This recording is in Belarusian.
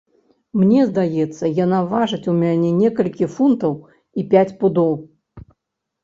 Мне здаецца, яна важыць у мяне некалькі фунтаў і пяць пудоў.